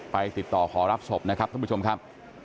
ติดต่อขอรับศพนะครับท่านผู้ชมครับ